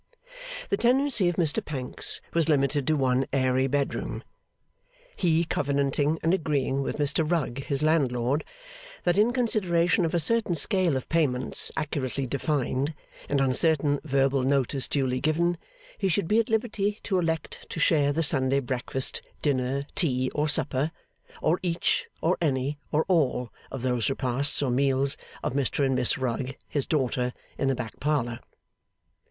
The tenancy of Mr Pancks was limited to one airy bedroom; he covenanting and agreeing with Mr Rugg his landlord, that in consideration of a certain scale of payments accurately defined, and on certain verbal notice duly given, he should be at liberty to elect to share the Sunday breakfast, dinner, tea, or supper, or each or any or all of those repasts or meals of Mr and Miss Rugg (his daughter) in the back parlour.